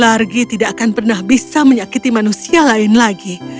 bargi tidak akan pernah bisa menyakiti manusia lain lagi